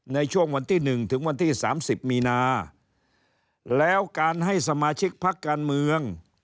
ในช่วงวันที่๑ถึงวันที่๓๐มีนาแล้วการให้สมาชิกพักการเมือง